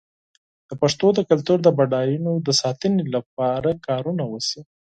د پښتو د کلتور د بډاینو د ساتنې لپاره کارونه وشي.